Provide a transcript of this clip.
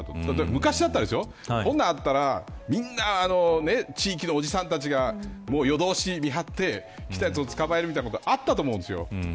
昔だったら、こんなのあったらみんな、地域のおじさんたちが夜通し見張って来たやつを捕まえることはあったと思うんですよ。